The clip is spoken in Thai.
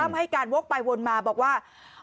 ตั้มให้การโว๊คไปวนมาบอกว่า